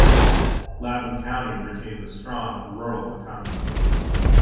Loudoun County retains a strong rural economy.